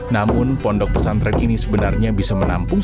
namun pondok pesantren ini sebenarnya bisa menampung